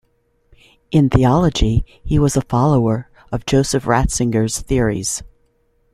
In theology he was a follower of Joseph Ratzinger's theories.